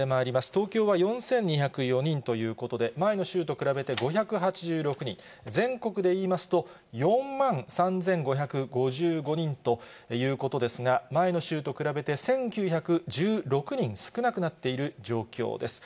東京は４２０４人ということで、前の週と比べて５８６人、全国で言いますと、４万３５５５人ということですが、前の週と比べて１９１６人少なくなっている状況です。